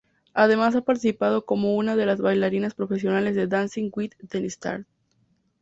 Además ha participado como una de las bailarinas profesionales de "Dancing with the Stars".